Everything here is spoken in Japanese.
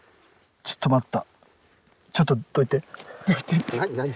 ちょっと待った！